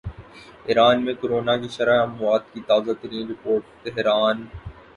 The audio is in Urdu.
ایران میں کرونا کی شرح اموات کی تازہ ترین رپورٹ تہران ارن